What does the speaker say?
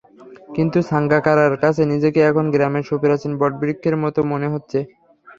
কিন্তু সাঙ্গাকারার কাছে নিজেকে এখন গ্রামের সুপ্রাচীন বটবৃক্ষের মতো মনে হচ্ছে।